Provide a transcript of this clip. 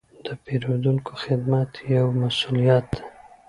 د پیرودونکو خدمت یو مسوولیت دی.